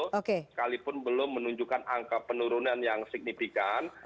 sekalipun belum menunjukkan angka penurunan yang signifikan